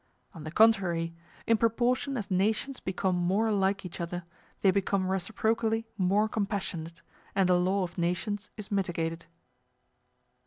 On the contrary, in proportion as nations become more like each other, they become reciprocally more compassionate, and the law of nations is mitigated.